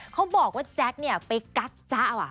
เขาบอกว่าแจ๊คเนี่ยไปกั๊กจ๊ะ